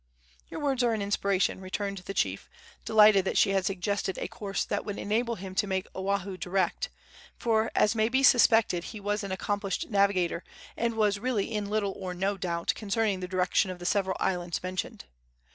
"Your words are an inspiration," returned the chief, delighted that she had suggested a course that would enable him to make Oahu direct; for, as may be suspected, he was an accomplished navigator, and was really in little or no doubt concerning the direction of the several islands mentioned.